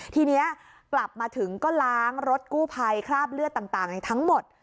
ทีนี้กลับมาถึงก็ล้างรถกู้ภัยคราบเลือดต่างทั้งหมด